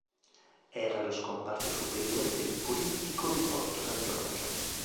Era lo scomparto superiore del "Polittico di Porto San Giorgio".